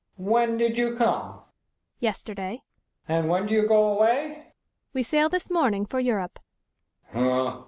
"When did you come?" "Yesterday." "And when do you go away?" "We sail this morning for Europe."